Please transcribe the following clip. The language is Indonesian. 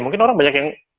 mungkin orang banyak yang